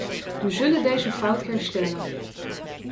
We zullen deze fout herstellen.